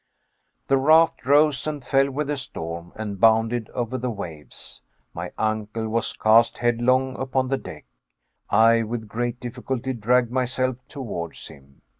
The raft rose and fell with the storm, and bounded over the waves. My uncle was cast headlong upon the deck. I with great difficulty dragged myself towards him.